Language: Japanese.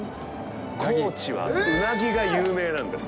高知は鰻が有名なんです。